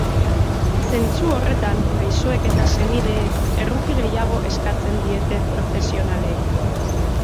Zentzu horretan, gaixoek eta senideek erruki gehiago eskatzen diete profesionalei.